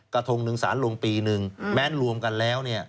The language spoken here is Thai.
กระทงหนึ่งศาลลงปีหนึ่งแม้นรวมกันแล้ว